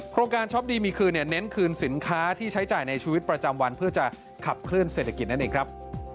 โครงการช็อปดีมีคืนเน้นคืนสินค้าที่ใช้จ่ายในชีวิตประจำวันเพื่อจะขับเคลื่อเศรษฐกิจนั่นเองครับ